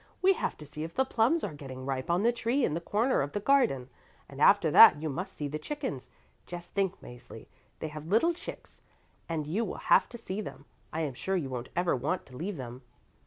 We have to see if the plums are getting ripe on the tree in the corner of the garden, and after that you must see the chickens. Just think, Mäzli, they have little chicks, and you will have to see them. I am sure you won't ever want to leave them."